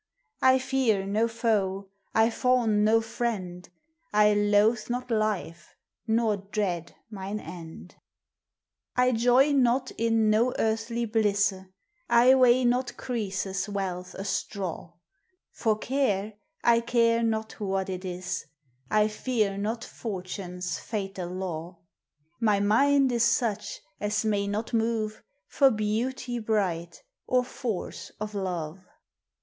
I feare no foe, I fawne no friend ; I lothe not life, nor dread mine end. I joy not in no earthly blisse ; I weigh not Croesus' wealth a straw ; For care, I care not what it is ; I feare not fortune's fatal law ; My minde is such as may not move For beautie bright, or force of love.